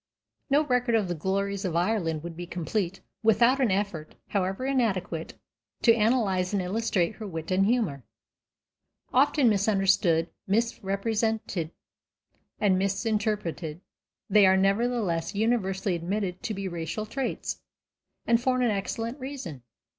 No record of the glories of Ireland would be complete without an effort, however inadequate, to analyze and illustrate her wit and humor. Often misunderstood, misrepresented, and misinterpreted, they are nevertheless universally admitted to be racial traits, and for an excellent reason.